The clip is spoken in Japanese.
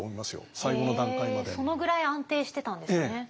そのぐらい安定してたんですね。